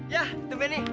yah tumben nih